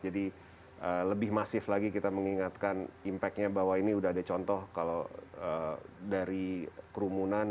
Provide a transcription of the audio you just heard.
jadi lebih masif lagi kita mengingatkan impactnya bahwa ini sudah ada contoh kalau dari kerumunan